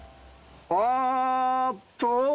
あっと？